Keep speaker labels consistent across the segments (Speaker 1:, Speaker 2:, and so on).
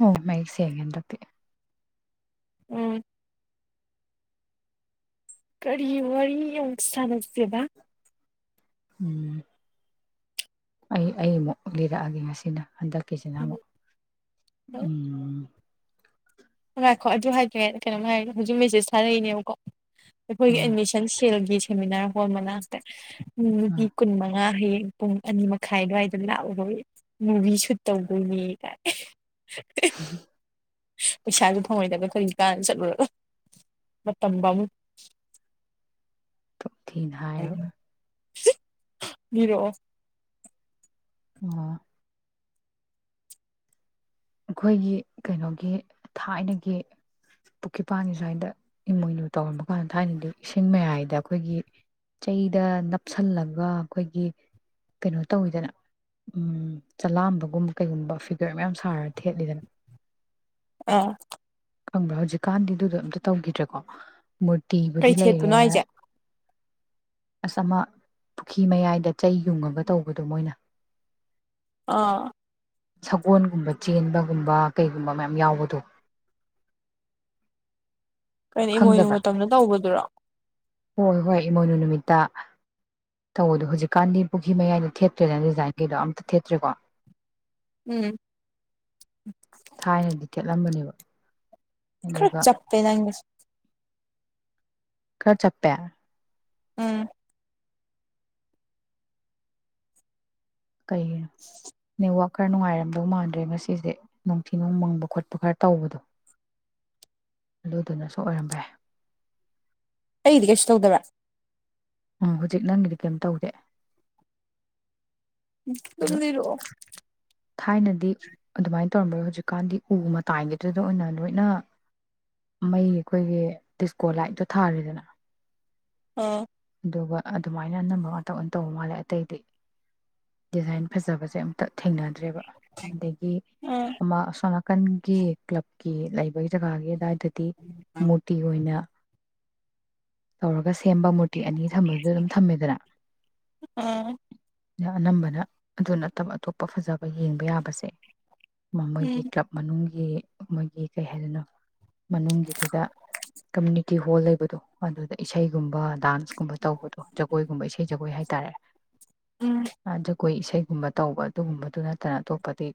Speaker 1: ꯑꯣ ꯃꯌꯦꯛ ꯁꯦꯡꯑꯦ ꯍꯟꯗꯛꯇꯤ꯫
Speaker 2: ꯎꯝ ꯀꯔꯤ ꯋꯥꯔꯤ ꯑꯃꯨꯛ ꯁꯥꯟꯅꯁꯦꯕ꯫
Speaker 1: ꯎꯝ ꯑꯩ ꯑꯩꯃꯨꯛ ꯂꯤꯔꯛꯑꯒꯦ ꯉꯁꯤꯅ ꯍꯟꯗꯛ ꯀꯁꯤ ꯅ ꯑꯃ ꯎꯝ
Speaker 2: ꯍꯥꯏꯈꯣ ꯑꯗꯨ ꯍꯥꯏꯗꯣꯦ ꯀꯩꯅꯣꯝ ꯍꯥꯏ ꯍꯧꯖꯤꯛ ꯃꯦꯁꯦꯁ ꯊꯥꯔꯛꯏꯅꯦꯕꯀꯣ ꯑꯩꯈꯣꯏꯒꯤ
Speaker 1: ꯑꯥ
Speaker 2: ꯑꯦꯗꯃꯤꯁꯟ ꯁꯦꯜꯒꯤꯁꯤ ꯁꯦꯃꯤꯅꯔ ꯍꯜ ꯃꯅꯥꯛꯇ ꯎ ꯅꯨꯄꯤ
Speaker 1: ꯑꯥ
Speaker 2: ꯀꯨꯟꯃꯉꯥ ꯍꯌꯦ ꯄꯨꯡ ꯑꯅꯤ ꯃꯈꯥꯏ ꯑꯗꯨꯋꯥꯏꯗ ꯂꯥꯛꯑꯣ ꯍꯣꯏ ꯃꯨꯚꯤ ꯁꯨꯠ ꯇꯧꯗꯣꯏꯅꯦ ꯀꯥꯏ [inaudible] ꯄꯩꯁꯥꯁꯨ ꯐꯪꯉꯣꯏꯗꯕꯗ ꯀꯔꯤ ꯀꯥꯅ ꯆꯠꯂꯨꯔꯒ ꯃꯇꯝ ꯄꯥꯝꯃꯨꯏ꯫
Speaker 1: ꯇ ꯊꯤꯅ ꯍꯥꯏꯔꯕ
Speaker 2: [unintelligible] ꯃꯤꯔꯛꯑꯣ
Speaker 1: ꯑ ꯑꯩꯈꯣꯏꯒꯤ ꯀꯩꯅꯣꯒꯤ ꯊꯥꯏꯅꯒꯤ ꯄꯨꯈ꯭ꯔꯤꯄꯥꯟꯒꯤ ꯁ꯭ꯋꯥꯏꯗ ꯏꯃꯣꯏꯅꯨ ꯇꯧꯔꯝꯕ ꯀꯥꯟꯗ ꯊꯥꯏꯅꯗꯤ ꯏꯁꯤꯡ ꯃꯌꯥꯏꯗ ꯑꯩꯈꯣꯏꯒꯤ ꯆꯩꯗ ꯅꯞꯁꯤꯜꯂꯒ ꯑꯩꯈꯣꯏꯒꯤ ꯀꯩꯅꯣ ꯇꯧꯋꯤꯗꯅ ꯆꯂꯥꯝꯕꯒꯨꯝꯕ ꯀꯩꯒꯨꯝꯕ ꯐꯤꯒꯔ ꯃꯌꯥꯝ ꯁꯥꯔꯗꯤ ꯊꯦꯠꯂꯤꯗꯅ
Speaker 2: ꯑꯥ
Speaker 1: ꯈꯪꯕ꯭ꯔꯥ ꯍꯧꯖꯤꯛꯀꯥꯟꯗꯤ ꯑꯗꯨꯗꯣ ꯑꯝꯇ ꯇꯧꯈꯤꯗ꯭ꯔꯦꯀꯣ ꯃꯨꯔꯇꯤꯕꯨꯗꯤ
Speaker 2: ꯀꯩ
Speaker 1: ꯂꯩꯔꯦ
Speaker 2: ꯊꯦꯠꯄꯅꯣ ꯍꯥꯏꯁꯦ
Speaker 1: ꯑꯁ ꯑꯃ ꯄꯨꯈꯤ ꯃꯌꯥꯏꯗ ꯆꯩ ꯌꯨꯡꯉꯒ ꯇꯧꯕꯗꯨꯣ ꯃꯣꯏꯅ
Speaker 2: ꯑꯥ
Speaker 1: ꯁꯒꯣꯜꯒꯨꯝꯕ ꯆꯦꯟꯕꯒꯨꯝꯕ ꯀꯩꯒꯨꯝꯕ ꯃꯌꯥꯝ ꯌꯥꯎꯕꯗꯣ
Speaker 2: ꯀꯩꯅꯣ ꯏꯃꯣꯏꯅꯨ
Speaker 1: ꯈꯪꯗꯕ꯭ꯔꯥ
Speaker 2: ꯃꯇꯝꯗ ꯇꯧꯕꯗꯨꯔꯣ
Speaker 1: ꯍꯣꯏ ꯍꯣꯏ ꯏꯃꯣꯏꯅꯨ ꯅꯨꯃꯤꯠꯇ ꯇꯧꯕꯗꯣ ꯍꯧꯖꯤꯛꯀꯥꯟꯗꯤ ꯄꯨꯈ꯭ꯔꯤ ꯃꯌꯥꯏꯗ ꯊꯦꯠꯇ꯭ꯔꯦꯗꯅ ꯗꯤꯖꯥꯏꯟ ꯀꯩꯗꯣ ꯑꯝꯇ ꯊꯦꯠꯇ꯭ꯔꯦꯀꯣ
Speaker 2: ꯎꯝ
Speaker 1: ꯊꯥꯏꯅꯗꯤ ꯊꯦꯠꯂꯝꯕꯅꯦꯕ
Speaker 2: ꯈꯔ
Speaker 1: ꯑꯗꯨꯒ
Speaker 2: ꯆꯞꯄꯦ ꯅꯪꯒꯤꯁꯦ
Speaker 1: ꯈꯔ ꯆꯞꯄꯦ
Speaker 2: ꯎꯝ
Speaker 1: ꯀꯩꯒꯤꯅꯣ ꯅꯦꯠꯋꯥ꯭ꯔꯛ ꯈꯔ ꯅꯨꯡꯉꯥꯏꯔꯝꯗꯧ ꯃꯥꯟꯗ꯭ꯔꯦ ꯉꯁꯤꯁꯦ ꯅꯨꯡꯊꯤ ꯅꯨꯡ ꯃꯪꯕ ꯈꯣꯠꯄ ꯈꯔ ꯇꯧꯕꯗꯣ ꯑꯗꯨꯗꯨꯅꯁꯨ ꯑꯣꯏꯔꯝꯕ ꯌꯥꯏ
Speaker 2: ꯑꯩꯒꯤꯗꯤ ꯀꯩꯁꯨ ꯇꯧꯗꯕ꯭ꯔꯥ
Speaker 1: ꯎꯝ ꯍꯧꯖꯤꯛ ꯅꯪꯒꯤꯗꯤ ꯀꯩꯝ ꯇꯧꯗꯦ
Speaker 2: ꯗꯨꯝ
Speaker 1: ꯑꯗꯣ
Speaker 2: ꯂꯤꯔꯛꯑꯣ
Speaker 1: ꯊꯥꯏꯅꯗꯤ ꯑꯗꯨꯃꯥꯏꯅ ꯇꯧꯔꯝꯕ ꯌꯥ ꯍꯧꯖꯤꯛꯀꯥꯟꯗꯤ ꯎ ꯃꯇꯥꯏꯒꯤꯗꯨꯗ ꯑꯣꯏꯅ ꯂꯣꯏꯅ ꯃꯩ ꯑꯩꯈꯣꯏꯒꯤ ꯗꯤꯁꯀꯣ ꯂꯥꯏꯠꯇꯣ ꯊꯥꯔꯤꯗꯅ
Speaker 2: ꯑꯣ
Speaker 1: ꯑꯗꯨꯒ ꯑꯗꯨꯃꯥꯏꯅ ꯑꯅꯝꯕ ꯉꯥꯛꯇ ꯑꯣꯏꯅ ꯇꯧꯕ ꯃꯥꯜꯂꯦ ꯑꯇꯩꯗꯤ ꯗꯤꯖꯥꯏꯟ ꯐꯖꯕꯁꯦ ꯑꯝꯇ ꯊꯦꯡꯅꯗ꯭ꯔꯦꯕ ꯑꯗꯒꯤ
Speaker 2: ꯑꯥ
Speaker 1: ꯑꯃ ꯑꯁꯣꯝ ꯅꯥꯀꯟꯒꯤ ꯀ꯭ꯂꯕ ꯀꯤ ꯂꯩꯕꯒꯤ ꯖꯒꯥꯒꯤ ꯑꯗꯨꯏ ꯗꯗꯤ ꯃꯨꯔꯇꯤ ꯑꯣꯏꯅ ꯇꯧꯔꯒ ꯁꯦꯝꯕ ꯀꯦ ꯑꯅꯤ ꯊꯝꯕꯗꯨꯗ ꯑꯗꯨꯝ ꯊꯝꯃꯦꯗꯅ
Speaker 2: ꯑꯥ
Speaker 1: ꯑꯅꯝꯕꯅ ꯑꯗꯨ ꯅꯠꯇꯕ ꯑꯇꯣꯞꯄ ꯐꯖꯕ ꯌꯦꯡꯕ ꯌꯥꯕꯁꯦ ꯑꯃ ꯃꯣꯏꯒꯤ
Speaker 2: ꯎꯝ
Speaker 1: ꯀ꯭ꯂꯕ ꯃꯅꯨꯡ ꯒꯤ ꯃꯣꯏꯒꯤ ꯀꯩ ꯍꯥꯏꯗꯅꯣ ꯃꯅꯨꯡꯒꯤꯗꯨꯗ ꯀꯝꯃꯨꯅꯤꯇꯤ ꯍꯣꯜ ꯂꯩꯕꯗꯣ ꯑꯗꯨꯗ ꯏꯁꯩꯒꯨꯝꯕ ꯗꯥꯟꯁ ꯀꯨꯝꯕ ꯇꯧꯕꯗꯣ ꯖꯒꯣꯏꯒꯨꯝꯕ ꯏꯁꯩ ꯖꯒꯣꯏ ꯍꯥꯏꯇꯥꯔꯦ
Speaker 2: ꯎꯝ
Speaker 1: ꯑꯩꯈꯣꯏ ꯏꯁꯩꯒꯨꯝꯕ ꯇꯧꯕ ꯑꯗꯨꯒꯨꯝꯕꯗꯨ ꯅꯠꯇꯅ ꯑꯇꯣꯞꯄꯗꯤ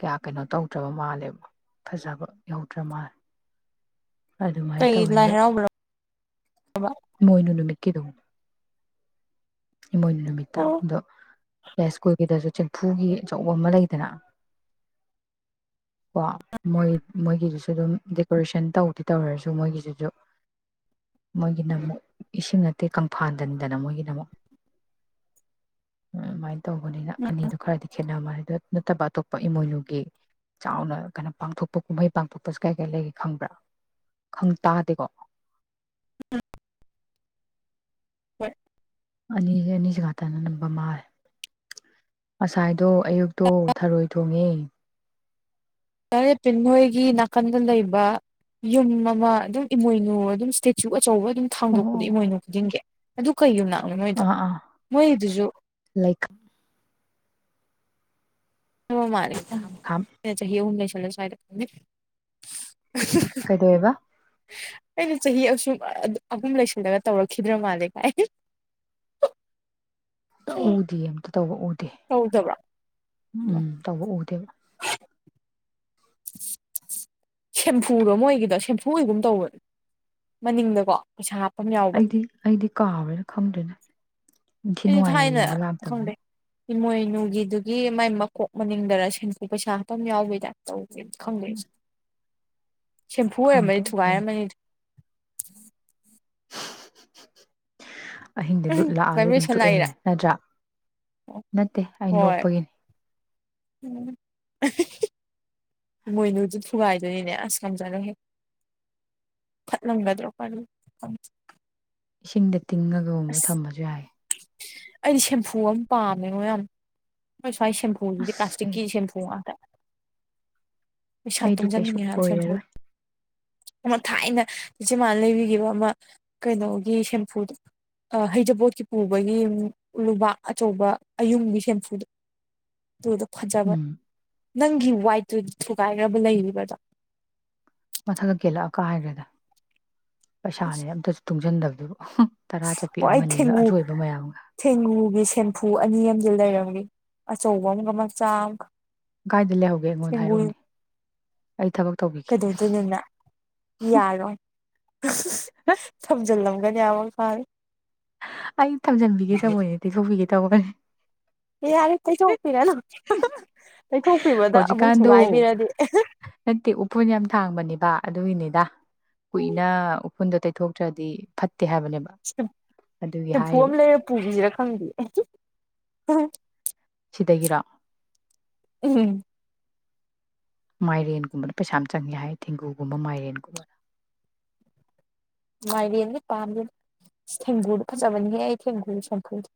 Speaker 1: ꯀꯌꯥ ꯀꯩꯅꯣ ꯇꯧꯗ꯭ꯔꯕ ꯃꯥꯜꯂꯦꯕ ꯐꯖꯕ ꯌꯧꯗ꯭ꯔꯕ ꯃꯥꯜꯂꯦ ꯑꯗꯨꯃꯥꯏꯅ
Speaker 2: ꯀꯩ ꯂꯥꯏ
Speaker 1: ꯇꯧꯋꯦꯗ
Speaker 2: ꯍꯔꯥꯎꯕ꯭ꯔꯕ
Speaker 1: ꯃꯣꯏꯅꯃꯤ ꯃꯤꯠꯀꯤꯗꯣ ꯏꯃꯣꯏꯅꯨ ꯅꯨꯃꯤꯠꯇ ꯑꯗꯣ ꯌꯥꯏꯁ꯭ꯀꯨꯜꯒꯤꯗꯁꯨ ꯐꯨꯒꯤ ꯑꯆꯧꯕ ꯑꯃ ꯂꯩꯗꯅ ꯀꯣ ꯃꯣꯏ ꯃꯣꯏꯒꯤꯗꯨꯁꯨ ꯑꯗꯨꯝ ꯗꯦꯀꯣꯔꯦꯁꯟ ꯇꯧꯗꯤ ꯇꯧꯔꯔꯁꯨ ꯃꯣꯏꯒꯤꯁꯤꯁꯨ ꯃꯣꯏꯒꯤꯅ ꯑꯃꯨꯛ ꯏꯁꯤꯡ ꯅꯠꯇꯦ ꯀꯪꯐꯥꯜꯗꯟꯗꯅ ꯃꯣꯏꯒꯤꯗꯃꯛ ꯑꯗꯨꯃꯥꯏ ꯇꯧꯕꯅꯤꯅ ꯑꯅꯤꯗꯣ ꯈꯔꯗꯤ ꯈꯦꯠꯅꯃꯗ ꯅꯠꯇꯕ ꯑꯇꯣꯞꯄ ꯏꯃꯣꯏꯅꯨꯒꯤ ꯆꯥꯎꯅ ꯀꯩꯅꯣ ꯄꯥꯡꯊꯣꯛꯄ ꯀꯨꯝꯍꯩ ꯄꯥꯡꯊꯣꯛꯄꯁꯤ ꯀꯥꯏ ꯀꯥꯏ ꯂꯩꯒꯦ ꯈꯪꯕ꯭ꯔꯥ ꯈꯪ ꯇꯥꯗꯦꯀꯣ
Speaker 2: ꯎꯝ ꯍꯣꯏ
Speaker 1: ꯑꯅꯤꯁꯦ ꯑꯅꯤꯁꯤ ꯉꯥꯛꯇꯅ ꯅꯝꯕ ꯃꯥꯜꯂꯦ ꯉꯁꯥꯏꯗꯣ ꯑꯌꯨꯛꯇꯣ ꯊꯔꯣꯏꯗ ꯇꯨꯝꯃꯤꯌ‌ꯦ
Speaker 2: ꯇꯥꯔꯦꯠ ꯇꯤꯝ ꯍꯣꯏꯒꯤ ꯅꯥꯀꯟꯗ ꯂꯩꯕ ꯌꯨꯝ ꯑꯃ ꯑꯗꯨꯝ ꯏꯃꯣꯏꯅꯨ ꯑꯗꯨꯝ ꯏꯁꯇꯦꯆꯨ ꯑꯣꯏ ꯑꯆꯧꯕ ꯑꯗꯨꯝ ꯊꯥꯡꯗꯣꯛꯄꯗꯣ
Speaker 1: ꯑꯣ
Speaker 2: ꯏꯃꯣꯏꯅꯨ ꯈꯨꯗꯤꯡꯒꯤ ꯑꯗꯨ ꯀꯩ ꯌꯨꯝꯅꯥꯛ ꯑꯥ ꯃꯣꯏꯗ‌ꯣ ꯃꯣꯏꯗꯨꯁꯨ
Speaker 1: ꯂꯩꯈꯥꯝ
Speaker 2: ꯍꯥꯏꯕꯥ ꯃꯥꯜꯂ‌ꯦ
Speaker 1: ꯂꯩꯈꯥꯝ ꯈꯥꯝ
Speaker 2: ꯈꯪꯗ‌ꯦ ꯆꯍꯤ ꯑꯍꯨꯝ ꯂꯩꯁꯤꯜ ꯁꯨ꯭ꯋꯥꯏꯗ ꯈꯪꯗ‌ꯦ
Speaker 1: ꯀꯩꯗꯧꯑ‌ꯦꯕ
Speaker 2: ꯑꯩꯅ ꯆꯍꯤ ꯑꯁꯨꯛ ꯑꯍꯨꯝ ꯂꯩꯁꯤꯜꯂꯒ ꯇꯧꯔꯛꯈꯤꯗ꯭ꯔ ꯃꯥꯜꯂꯦ ꯀꯥꯏ꯫
Speaker 1: ꯑꯝꯇꯥ ꯎꯗꯤꯌ‌ꯦ ꯑꯝꯇ ꯇꯧꯕ ꯎꯗꯤ ꯗ‌ꯦ
Speaker 2: ꯇꯧꯗꯕ꯭ꯔꯣ
Speaker 1: ꯎꯝ ꯎꯝ ꯇꯧꯕ ꯎꯗꯦꯕ
Speaker 2: ꯁꯦꯝꯐꯨꯗꯣ ꯑꯃ ꯃ‌ꯣꯏꯒꯤꯗꯣ ꯁꯦꯝꯐꯨ ꯑꯣꯏꯒꯨꯝ ꯇꯧꯕ ꯃꯅꯤꯡꯗꯀꯣ ꯄꯩꯁꯥ ꯍꯥꯞ
Speaker 1: ꯑꯩꯗꯤ ꯑꯩꯗꯤ ꯀꯥꯎꯔꯦꯅ‌ꯦ ꯈꯪꯗꯣꯏꯅꯦ ꯅꯤꯡꯊꯤ
Speaker 2: ꯑꯩꯁꯨ
Speaker 1: ꯅꯨꯡꯉꯥꯏꯅ
Speaker 2: ꯊꯥꯏꯅ
Speaker 1: ꯌꯦꯡꯕ
Speaker 2: ꯈꯪꯗꯦ
Speaker 1: ꯂꯥꯛꯇꯝꯅꯤꯅꯥ
Speaker 2: ꯏꯃꯣꯏꯅꯨꯒꯤꯗꯨꯒꯤ ꯃꯥꯏ ꯃꯀꯣꯛ ꯃꯅꯤꯡꯗꯔꯥ ꯁꯦꯟꯐꯨ ꯄꯩꯁꯥ ꯍꯥꯞꯐꯝ ꯌꯥꯎꯕꯒꯤ ꯇꯥꯏꯞ ꯇꯧ ꯈꯪꯗꯦ ꯑꯩꯖꯨ ꯁꯦꯟꯐꯨ
Speaker 1: ꯈꯪꯗꯦ
Speaker 2: ꯑꯣꯏꯔꯝꯃꯗꯤ
Speaker 1: ꯑꯗꯨ
Speaker 2: ꯊꯨꯒꯥꯏꯔꯝꯃꯅꯤꯗ
Speaker 1: [inaudible] ꯍꯨꯝ ꯍꯨꯝꯝꯝ ꯑꯍꯤꯡꯗꯤ ꯂꯨꯠ ꯂꯥꯛꯑꯗꯤ ꯑꯗꯨꯝ
Speaker 2: ꯚꯥꯏꯕ꯭ꯔꯦꯁꯟ
Speaker 1: ꯇꯣꯛꯑꯦꯅꯦ
Speaker 2: ꯂꯥꯛꯏꯔꯥ
Speaker 1: ꯅꯠꯇ꯭ꯔꯥ ꯅꯠꯇꯦ ꯑꯩ ꯅꯣꯛꯄꯒꯤꯅꯤ
Speaker 2: ꯎꯝ ꯏꯃꯣꯏꯅꯨꯖꯨ ꯊꯨꯒꯥꯏꯗꯣꯏꯅꯤꯅꯦ ꯑꯁ ꯉꯝꯖꯔꯣꯏ ꯍꯦ ꯐꯠꯂꯝꯒꯥꯗꯔꯣ
Speaker 1: ꯏꯁꯤꯡ ꯗ ꯇꯤꯡꯉꯒꯒꯨꯝꯕ ꯊꯝꯕꯁꯨ ꯌꯥꯏꯑ‌ꯦ
Speaker 2: ꯑꯩꯗꯤ ꯁꯦꯝꯐꯨ ꯑꯃ ꯄꯥꯝꯃꯦ ꯉꯣ ꯌꯥꯝ ꯁ꯭ꯋꯥꯏ ꯁꯦꯟꯐꯨꯁꯤꯗꯤ
Speaker 1: ꯑꯁ ꯑꯩ
Speaker 2: ꯄ꯭ꯂꯥꯁꯇꯤꯛꯀꯤ ꯁꯦꯟꯐꯨ ꯉꯥꯛꯇ ꯄꯩꯁꯥ
Speaker 1: ꯑꯩꯗꯤ ꯀꯩꯁꯨ
Speaker 2: ꯇꯨꯡꯁꯤꯟꯅꯤꯡꯉꯦ ꯍꯥꯏꯕ ꯁꯦꯝꯐꯨ
Speaker 1: ꯑꯣꯏꯔꯔꯣꯏ
Speaker 2: ꯑꯃ ꯊꯥꯏꯅ ꯏꯆꯦ ꯃꯥꯅ ꯂꯩꯕꯤꯈꯤꯕ ꯑꯃ ꯀꯩꯅꯣꯒꯤ ꯁꯦꯟꯐꯨꯗꯣ ꯍꯩꯖꯥꯄ‌ꯣꯠꯀꯤ ꯄꯨꯕꯩꯅ‌ꯦ ꯂꯨꯕꯥꯛ ꯑꯆꯧꯕ ꯑꯌꯨꯡꯕꯤ ꯁꯦꯟꯐꯨꯗꯣ ꯇꯨꯗꯣ ꯐꯖꯕꯅꯦ
Speaker 1: ꯎꯝ
Speaker 2: ꯅꯪꯒꯤ ꯋꯥꯏꯠꯇꯨꯗꯤ ꯊꯨꯒꯥꯏꯈ꯭ꯔꯕ‌ꯥ ꯂꯩꯔꯤꯕꯗꯣ
Speaker 1: ꯃꯊꯛꯇꯩ ꯀꯦꯜꯂꯛꯑ ꯒ ꯀꯥꯏꯈ꯭ꯔꯦꯗ ꯄꯩꯁꯥꯅꯦ ꯑꯝꯇꯁꯨ ꯇꯨꯡꯁꯤꯟꯗꯕꯗꯨꯕꯨ ꯇꯔꯥ ꯆꯠꯄꯤ
Speaker 2: ꯑꯣ ꯑꯩ
Speaker 1: ꯑꯃꯅꯤꯒ
Speaker 2: ꯊꯦꯡꯒꯨ
Speaker 1: ꯑꯆꯣꯏꯕ ꯃꯌꯥꯝꯒ
Speaker 2: ꯊꯦꯡꯒꯨꯒꯤ ꯁꯦꯟꯐꯨ ꯑꯅꯤ ꯑꯝꯗꯤ ꯂꯩꯔꯦ ꯑꯆꯧꯕ ꯑꯝꯒ ꯃꯆꯥ ꯑꯝꯒ
Speaker 1: ꯀꯥꯏꯗ ꯂꯩꯍꯧꯒꯦ ꯑꯩꯉꯣꯟꯗ
Speaker 2: ꯊꯦꯡꯒꯨ
Speaker 1: ꯍꯥꯏꯔꯛꯎꯅꯦ ꯑꯩ ꯊꯕꯛ ꯇꯧꯕꯤꯒꯦ
Speaker 2: ꯀꯩꯗꯧꯗꯣꯏꯅꯣꯅ ꯌꯥꯔꯣꯏ ꯊꯝꯖꯤꯜꯂꯝ ꯌꯥꯎ [inaudible] ꯍꯣꯏ
Speaker 1: ꯑꯩ ꯊꯝꯖꯟꯕꯤꯒꯦ ꯇꯧꯕꯅꯦ ꯇꯩꯊꯣꯛꯄꯤꯒꯦ ꯇꯧꯒꯅꯤ
Speaker 2: ꯑꯦ ꯌꯥꯔꯦ ꯇꯩꯊꯣꯛꯄꯤꯔꯅꯨ ꯇꯩꯊꯣꯛꯄꯤꯕꯗ ꯑꯃꯨꯛ
Speaker 1: ꯍꯧꯖꯤꯛꯀꯥꯟꯗꯣ
Speaker 2: ꯊꯨꯒꯥꯏꯕꯤꯔꯗꯤ
Speaker 1: ꯅꯠꯇꯦ ꯎꯐꯨꯟ ꯌꯥꯝ ꯊꯥꯡꯕꯅꯦꯕ ꯑꯗꯨꯒꯤꯅꯤꯗ꯫ ꯀꯨꯏꯅꯥ ꯎ ꯏꯐꯨꯟꯗꯣ ꯇꯩꯊꯣꯛꯇ꯭ꯔꯗꯤ ꯐꯠ ꯇꯦ ꯍꯥꯏꯕꯅꯦꯕꯥ꯫
Speaker 2: ꯁꯦꯝꯐꯨ ꯑꯃ ꯂꯩꯔꯦ ꯄꯨꯈꯤꯁꯤꯔꯥ ꯈꯪꯗꯦ ꯎꯝ
Speaker 1: ꯁꯤꯗꯒꯤꯔꯣ
Speaker 2: ꯎꯝ
Speaker 1: ꯃꯥꯏꯔꯦꯟꯒꯨꯝꯕꯅ ꯄꯩꯁꯥ ꯌꯥꯝ ꯆꯪꯉꯦ ꯍꯥꯏ ꯊꯦꯡꯒꯨꯒꯨꯝꯕ ꯃꯥꯏꯔꯦꯟꯒꯨꯝꯕꯅ
Speaker 2: ꯃꯥꯏꯔꯦꯟꯗꯤ ꯄꯥꯝꯗꯦꯗ ꯊꯦꯡꯒꯨꯗꯣ ꯐꯖꯕꯅꯤꯍꯦ ꯑꯩ ꯊꯦꯡꯒꯨꯒꯤ ꯁꯦꯟꯐꯨꯗꯣ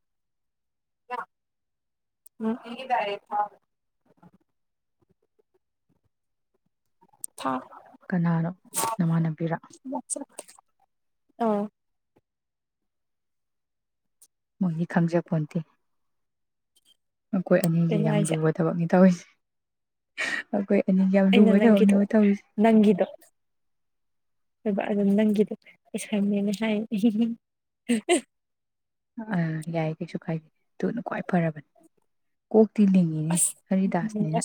Speaker 2: ꯊꯥ
Speaker 1: ꯀꯅꯥꯅꯣ ꯅꯃꯥꯟꯅꯕꯤꯔꫭ
Speaker 2: ꯑ
Speaker 1: ꯃꯣꯏꯗꯤ ꯈꯪꯖꯄꯣꯟꯇꯦ ꯃꯈꯣꯏ ꯑꯅꯤꯒꯤ
Speaker 2: ꯀꯩꯅꯣ
Speaker 1: ꯌꯥꯝ
Speaker 2: ꯍꯥꯏꯁꯦ
Speaker 1: ꯂꯨꯕ ꯊꯕꯛꯅꯤ ꯇꯧꯔꯤꯁꯦ ꯑꯈꫭꯏ
Speaker 2: ꯏꯩꯅ ꯅꯪꯒꯤꯗꫭ ꯅꯪꯒꯤꯗꯣ ꯑꯗꯨꯒ ꯑꯗꯨꯝ ꯅꯪꯒꯤꯗꫭ ꯑꯦꯁꯥꯏꯟꯃꯦꯟꯅꯦ ꯍꯥꯏ ꯑꯍꯤ ꯍꯤꯡ
Speaker 1: ꯑ ꯌꯥꯏ ꯀꯩꯁꯨ ꯀꯥꯏꯗꯦ ꯗꯨꯅ ꯈꯋ꯭ꯏ ꯐꯔꯕꯅꯤ ꯀꯣꯛꯇꯤ ꯂꯤꯡꯉꯤꯅꯦ
Speaker 2: ꯑꯁ
Speaker 1: ꯍꯔꯤꯗꯥꯁꯅꯤꯅ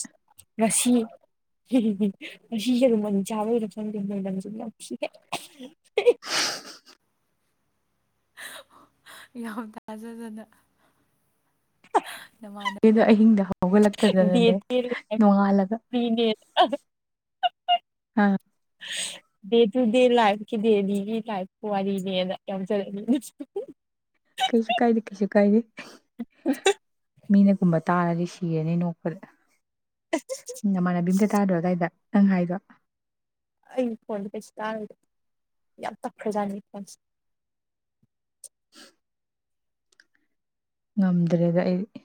Speaker 2: ꯑꯁꯤ ꯌꯦꯔꯨꯝ ꯑꯅꯤ ꯆꯥꯕꯩꯔ ꯈꯪꯗꯦ ꯃꯣꯏꯅꯝꯁꯦ ꯅꯝꯊꯤꯍꯦ
Speaker 1: ꯌꯥꯝ ꯊꯥꯖꯗꯅ ꯅꯃꯥꯟꯕꯤꯗꯣ ꯑꯍꯤꯡꯗ ꯍꯧ
Speaker 2: ꯗꯦ ꯇꯨ
Speaker 1: ꯍꯧꯒꯠꯂꯛꯇꯗꯅꯅꯦ
Speaker 2: ꯗꯦ
Speaker 1: ꯅꯣꯡꯉꯥꯜꯂꯒ
Speaker 2: ꯂꯥꯏꯐꯀꯤꯅꯦ
Speaker 1: ꯑ
Speaker 2: ꯗꯦ ꯇꯨ ꯗꯦ ꯂꯥꯏꯐꯀꯤ ꯗꯦꯂꯤꯒꯤ ꯂꯥꯏꯐꯀꯤ ꯋꯥꯔꯤꯅꯦꯅ ꯌꯥꯎꯖꯔꯛꯅꯤ
Speaker 1: ꯀꯩꯁꯨ ꯀꯥꯏꯗꯦ ꯀꯩꯁꯨ ꯀꯥꯏꯗꯦ ꯃꯤꯅ ꯀꯨꯝꯕ ꯇꯥꯔꯗꯤ ꯁꯤꯔꯅꯤ ꯅꯣꯛꯄꯗ ꯅꯃꯥꯟꯅꯕꯤ ꯑꯝꯇ ꯇꯥꯗ꯭ꯔꯣ ꯗꯥꯏꯗ ꯅꯪ ꯍꯥꯏꯗꯣ
Speaker 2: ꯑꯩ ꯐꯣꯟꯗ ꯀꯩꯁꯨ ꯇꯔꯣꯏꯗ ꯌꯥꯝ ꯇꯞꯈ꯭ꯔꯖꯥꯠꯅꯤ ꯑꯩ ꯐꯣꯟꯁꯦ
Speaker 1: [unintelligible] ꯉꯝꯗ꯭ꯔꯦꯗ ꯑꯩꯗꯤ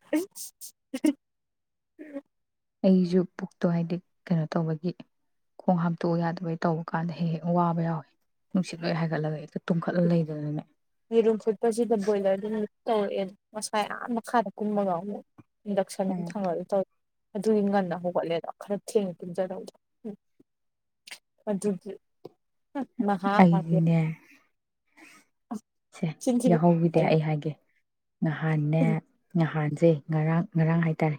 Speaker 2: [unintelligible]
Speaker 1: ꯑꯩꯁꯨ ꯄꯨꯛꯇꯣ ꯍꯥꯏꯗꯤ ꯀꯩꯅꯣ ꯇꯧꯕꯒꯤ ꯈꯣꯡ ꯍꯥꯝꯇꯣꯛꯎ ꯌꯥꯗꯕꯩ ꯇꯧꯕ ꯀꯥꯟꯗ ꯍꯦꯛ ꯍꯦꯛ ꯋꯥꯕ ꯌꯥꯎꯑ‌ꯦ ꯅꯨꯡꯁꯤꯠ ꯂꯣꯏ ꯍꯥꯏꯒꯠꯂꯒ ꯍ‌ꯦꯛꯇ ꯇꯨꯝꯈꯠꯂ ꯂꯩꯗꯅꯅꯦ
Speaker 2: ꯌꯦꯔꯨꯝ ꯐꯨꯠꯄꯁꯤꯗ ꯕꯣꯏꯂ꯭ꯔꯗꯨ ꯇꯧꯔꯛꯑꯦ ꯑꯗꯨ ꯃꯁꯥ ꯑꯥ ꯃꯈꯥꯗ ꯀꯨꯝꯕꯒꯥ ꯃꯨꯛ ꯏꯟꯗꯛꯁꯟ ꯊꯥꯡꯒꯠꯂ ꯇꯧꯑ‌ꯦ ꯑꯗꯨꯗꯤ ꯉꯟꯅ ꯍꯧꯒꯠꯂꯦꯗ‌ꯣ ꯈꯔ ꯊꯦꯡꯅ ꯇꯨꯝꯖꯗꯧꯗꯣ ꯍꯨꯝ ꯑꯗꯨꯒꯤ ꯃꯍꯥ ꯑꯒꯦ
Speaker 1: ꯑꯩꯗꯤꯅꯦ ꯁꯦ ꯌꯥꯎꯍꯧꯒꯤꯗꯤ ꯑꯩ ꯍꯥꯏꯒꯦ ꯅꯍꯥꯟꯅꯦ ꯅꯍꯥꯟꯁꯦ ꯉꯔꯥꯡ ꯉꯔꯥꯡ ꯍꯥꯏꯇꯥꯔꯦ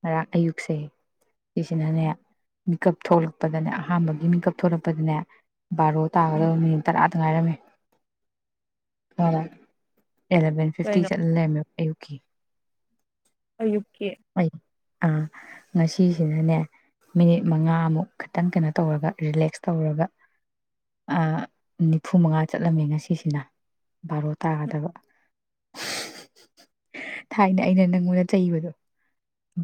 Speaker 1: ꯉꯔꯥꯡ ꯑꯌꯨꯛꯁꯦ ꯁꯤ ꯁꯤꯅꯅꯦ ꯃꯤꯀꯞ ꯊꯣꯛꯂꯛꯄꯗꯅꯦ ꯑꯍꯥꯟꯕꯒꯤ ꯃꯤꯀꯞ ꯊꯣꯛꯂꯛꯄꯗꯅꯦ ꯕꯥꯔꯣ
Speaker 2: ꯎꯝ
Speaker 1: ꯇꯥꯒꯗꯕ ꯃꯤꯅꯤꯠ ꯇꯔꯥ ꯇꯧ ꯉꯥꯏꯔꯝꯃ‌ꯦ ꯈꯪꯉꯥꯕꯥ ꯑꯦꯂꯥꯚꯦꯟ ꯐꯤꯐꯇꯤ
Speaker 2: ꯀꯩꯅꯣ
Speaker 1: ꯆꯠꯂ ꯂꯩꯔꯝꯃꯦ ꯑꯌꯨꯛ ꯀꯤ
Speaker 2: ꯑꯌꯨꯛꯀꯤ
Speaker 1: ꯑꯩ ꯑꯥ ꯉꯁꯤ ꯁꯤꯅꯅꯦ ꯃꯤꯅꯤꯠ ꯃꯉꯥ ꯃꯨꯛ ꯈꯛꯇꯪ ꯀꯩꯅꯣ ꯇꯧꯔꯒ ꯔꯤꯂꯦꯛꯁ ꯇꯧꯔꯒ ꯑ ꯅꯤꯐꯨ ꯃꯉꯥ ꯆꯠꯂꯝꯃꯦ ꯉꯁꯤꯁꯤꯅ ꯕꯥꯔꯣ ꯇꯥꯒꯗꯕ ꯊꯥꯏꯅ ꯑꯩꯅ ꯅꯪꯉꯣꯟꯗ ꯆꯩꯕꯗꯣ